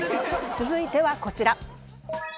続いてはこちら。